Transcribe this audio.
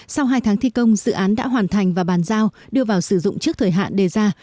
sau hai tháng thi công dự án đã hoàn thành và bàn giao đưa vào sử dụng trước thời hạn đề ra